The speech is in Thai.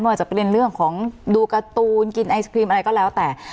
ว่าจะเป็นเรื่องของดูการ์ตูนกินไอศครีมอะไรก็แล้วแต่